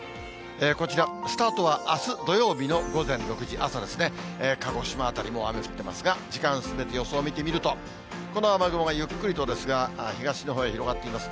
こちら、スタートはあす土曜日の午前６時、朝ですね、鹿児島辺り、もう雨降ってますが、時間進めて予想見てみると、この雨雲がゆっくりとですが、東のほうへ広がっています。